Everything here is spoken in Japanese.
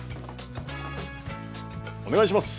お願いします。